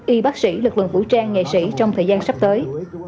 y bác sĩ lực lượng vũ trang nghệ sĩ trong thời gian sắp tới